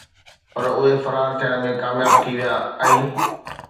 پر اهي فرار ٿيڻ ۾ ڪامياب ٿي ويا ۽